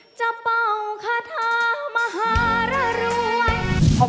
โอมจะเป่าคาทามหารรวย